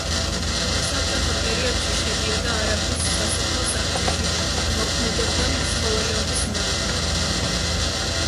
საბჭოთა პერიოდში შედიოდა არაგვის სასოფლო საბჭოში, მოქმედებდა მეცხოველეობის მეურნეობა.